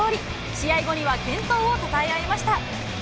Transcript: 試合後には健闘をたたえ合いました。